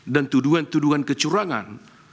dan tuduhan tuduhan kecurangan